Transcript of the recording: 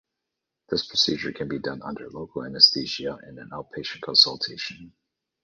This procedure can be done under local anesthesia in an outpatient consultation.